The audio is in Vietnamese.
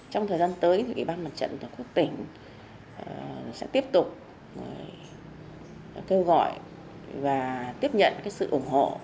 trong thời gian tới thì ủy ban mặt trận tổ quốc tỉnh sẽ tiếp tục kêu gọi và tiếp nhận sự ủng hộ